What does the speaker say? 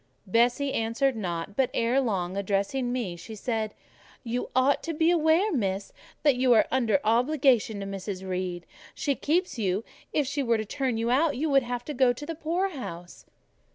Bessie answered not; but ere long, addressing me, she said— "You ought to be aware, Miss, that you are under obligations to Mrs. Reed: she keeps you: if she were to turn you off, you would have to go to the poorhouse."